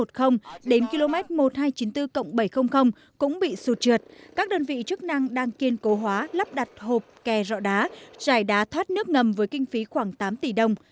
trong khi đó tại km một nghìn hai trăm chín mươi bốn bốn trăm một mươi đến km một nghìn hai trăm chín mươi bốn bảy trăm bảy mươi các đơn vị chức năng đang kiên cố hóa lắp đặt hộp kè rọ đá dài đá thoát nước ngầm với kinh phí khoảng tám tỷ đồng